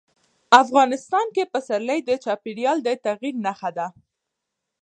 افغانستان کې پسرلی د چاپېریال د تغیر نښه ده.